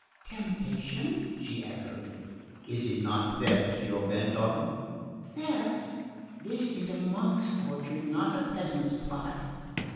"Temptation?" she echoed. "Is it not theft you're bent on?" "Theft? This is a monk's orchard, not a peasant's plot."